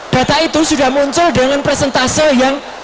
data itu sudah muncul dengan presentase yang